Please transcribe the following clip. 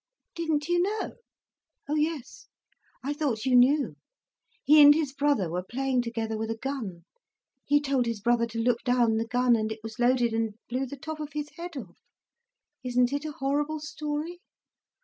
"Didn't you know? Oh yes!—I thought you knew. He and his brother were playing together with a gun. He told his brother to look down the gun, and it was loaded, and blew the top of his head off. Isn't it a horrible story?"